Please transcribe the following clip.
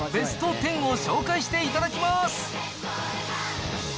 ベスト１０を紹介していただきます。